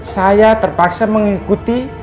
saya terpaksa mengikuti